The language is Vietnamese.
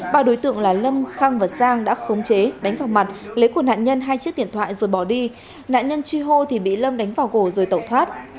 ba đối tượng là lâm khang và sang đã khống chế đánh vào mặt lấy của nạn nhân hai chiếc điện thoại rồi bỏ đi nạn nhân truy hô thì bị lâm đánh vào gồ rồi tẩu thoát